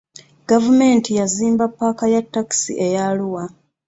Gavumenti yazimba paaka ya takisi eya Arua.